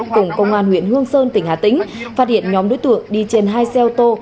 cùng công an huyện hương sơn tỉnh hà tĩnh phát hiện nhóm đối tượng đi trên hai xe ô tô